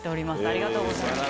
ありがとうございます。